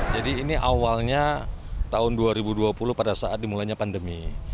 jadi ini awalnya tahun dua ribu dua puluh pada saat dimulainya pandemi